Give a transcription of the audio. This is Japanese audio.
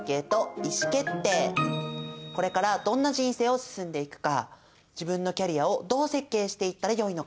これからどんな人生を進んでいくか自分のキャリアをどう設計していったらよいのか？